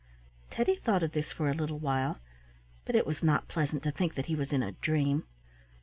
Teddy thought of this for a little while, but it was not pleasant to think that he was in a dream.